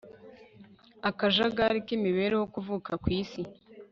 akajagari k'imibereho , kuvuka kw'isi